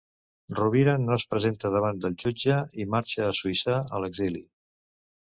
Rovira, no es presenta davant del jutge i marxa a Suïssa, a l'exili.